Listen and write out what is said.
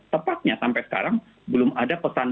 tepatnya sampai sekarang belum ada pesan